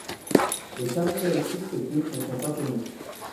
Les caractéristiques techniques ne sont pas connues.